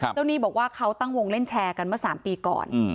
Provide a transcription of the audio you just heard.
หนี้บอกว่าเขาตั้งวงเล่นแชร์กันเมื่อ๓ปีก่อน